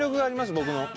僕の。